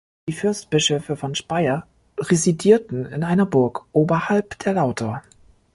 Die Fürstbischöfe von Speyer residierten in einer Burg oberhalb der Lauter.